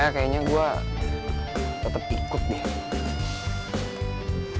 kayaknya gue tetep ikut deh